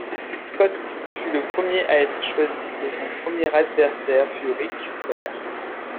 Scott fut le premier à être choisi, et son premier adversaire fut Ric Flair.